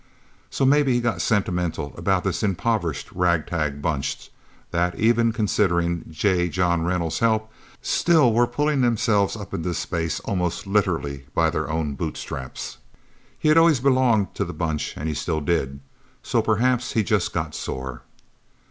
So maybe he got sentimental about this impoverished, ragtag Bunch that, even considering J. John Reynolds' help, still were pulling themselves up into space almost literally by their own bootstraps. He had always belonged to the Bunch, and he still did. So perhaps he just got sore.